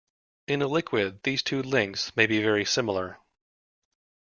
In a liquid these two lengths may be very similar.